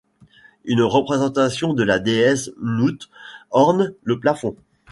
Une représentation de la déesse Nout orne le plafond.